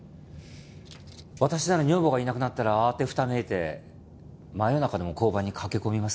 私なら女房がいなくなったら慌てふためいて真夜中でも交番に駆け込みますが。